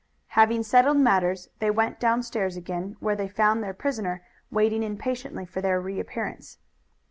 Having settled matters they went downstairs again, where they found their prisoner waiting impatiently for their reappearance.